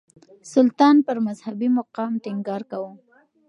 سلطان پر مذهبي مقام ټينګار کاوه.